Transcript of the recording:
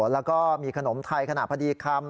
แล้วก็มีขนมไทยขณะพอดีคำ